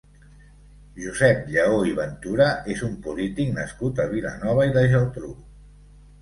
Josep Lleó i Ventura és un polític nascut a Vilanova i la Geltrú.